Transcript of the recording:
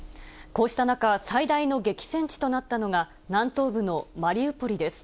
こうした中、最大の激戦地となったのが、南東部のマリウポリです。